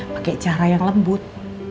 pake cara yang lembut